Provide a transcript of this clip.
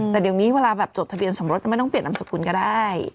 แต่เดี๋ยวนี้เวลาแบบจดทะเบียนสมรสจะไม่ต้องเปลี่ยนนามสกุลก็ได้